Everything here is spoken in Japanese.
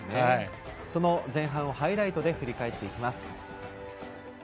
その前半をハイライトで振り返ります。